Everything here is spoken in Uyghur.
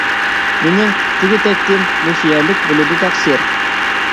مېنىڭ تېگى - تەكتىم مۇشۇ يەرلىك بولىدۇ، تەقسىر.